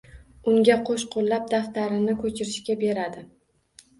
Unga qo‘shqo‘llab daftarini ko‘chirishga beradi.